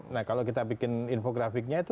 nah kalau kita bikin infografiknya itu